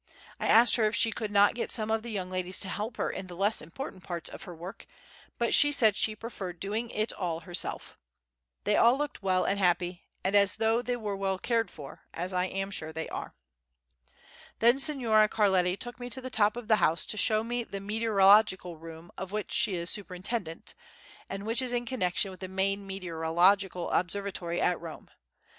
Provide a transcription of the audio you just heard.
I asked her if she could not get some of the young ladies to help her in the less important parts of her work, but she said she preferred doing it all herself. They all looked well and happy and as though they were well cared for, as I am sure they are. Then Signora Carletti took me to the top of the house to show me the meteorological room of which she is superintendent, and which is in connection with the main meteorological observatory at Rome.